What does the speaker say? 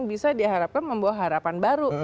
bisa diharapkan membawa harapan baru